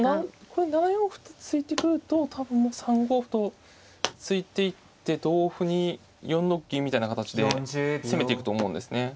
これ７四歩と突いてくると多分もう３五歩と突いていって同歩に４六銀みたいな形で攻めていくと思うんですね。